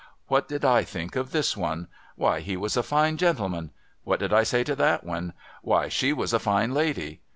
What did I think of this one ? Why, he was a fine gentjeman. What did I say to that one ? AVhy, she was a fine lady.